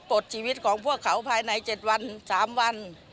ดชีวิตของพวกเขาภายใน๗วัน๓วัน